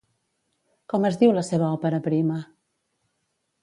Com es diu la seva òpera prima?